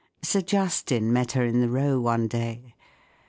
Sir Justin met her in the Row one day.